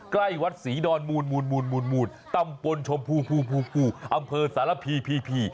ใกล้วัดศิริรันดร์มูลตำปรชมพูอำเภอสารพี